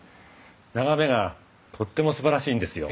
眺めがとってもすばらしいんですよ。